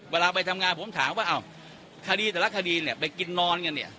เวลาไปทำงานผมถามว่าอ้าวคดีแต่ละคดีเนี่ยไปกินนอนกันเนี่ย